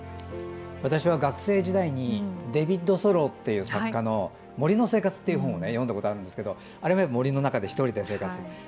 私は学生時代にデビッド・ソローという作家の「森の生活」という本を読んだことがあるんですけどあれは森の中で１人で生活する。